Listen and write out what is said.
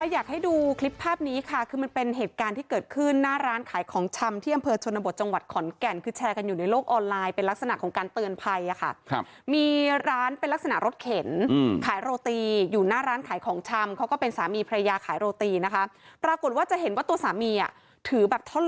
อยากให้ดูคลิปภาพนี้ค่ะคือมันเป็นเหตุการณ์ที่เกิดขึ้นหน้าร้านขายของชำที่อำเภอชนบทจังหวัดขอนแก่นคือแชร์กันอยู่ในโลกออนไลน์เป็นลักษณะของการเตือนภัยค่ะครับมีร้านเป็นลักษณะรถเข็นขายโรตีอยู่หน้าร้านขายของชำเขาก็เป็นสามีพระยาขายโรตีนะคะปรากฏว่าจะเห็นว่าตัวสามีอ่ะถือแบบท่อ